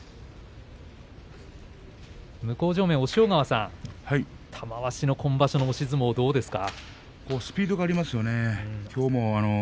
向正面、押尾川さん玉鷲の今場所の押し相撲どうですか？